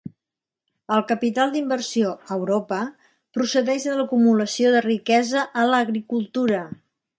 El capital d'inversió, a Europa, procedeix de l'acumulació de riquesa a l'agricultura.